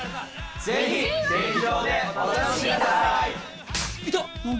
ぜひ劇場でお楽しみください。